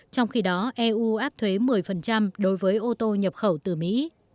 trong khi đó eu áp thuế một mươi đối với ô tô nhập khẩu từ mỹ